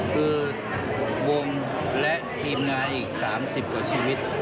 คือวงและทีมงานอีก๓๐กว่าชีวิต